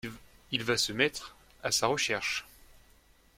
Il va se mettre à sa recherche.